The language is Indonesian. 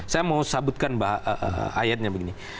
saya mau sabutkan ayatnya begini